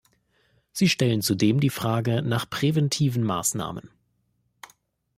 Sie stellen zudem die Frage nach präventiven Maßnahmen.